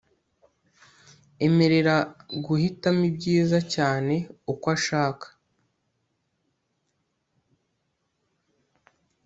emerera guhitamo ibyiza cyane uko ashaka